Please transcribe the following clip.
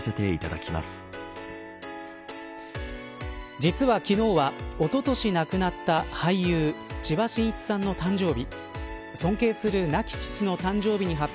実は、昨日はおととし亡くなった俳優、千葉真一さんの誕生日。